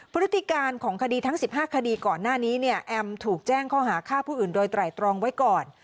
พฤติการของคดีทั้ง๑๕คดีก่อนหน้านี้เนี่ยแอมถูกแจ้งข้อหาฆ่าผู้อื่นโดยไตรตรองไว้ก่อน